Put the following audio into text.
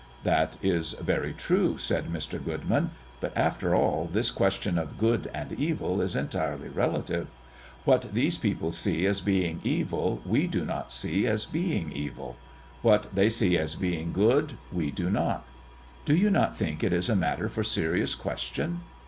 '" "That is very true," said Mr. Goodman, "but, after all, this question of good and evil is entirely relative. What these people see as being evil we do not see as being evil; what they see as being good we do not. Do you not think it is a matter for serious question?"